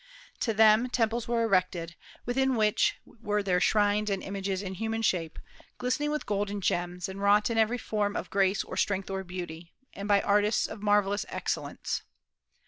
To them temples were erected, within which were their shrines and images in human shape, glistening with gold and gems, and wrought in every form of grace or strength or beauty, and by artists of marvellous excellence.